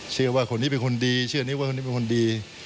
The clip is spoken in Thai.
เชื่อว่าคนนี้เป็นคนดีเชื่อนี้ว่าคนนี้เป็นคนดี